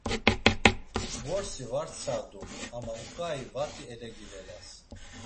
Vorsi var tsadum ama uǩai vati elegivelas.